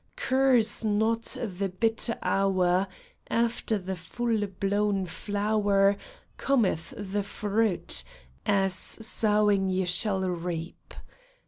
Curse not the bitter hour ! After the full blown flower Cometh the fruit ; as sowing ye shall reap. ODE TO FRANCE.